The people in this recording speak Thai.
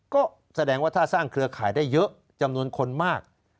ก็แสดงว่าถ้าสร้างเครือข่ายได้เยอะจำนวนคนมาก